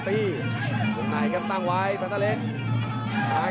เกี่ยวแหว่นแล้วเกี่ยวเข้ามาอีก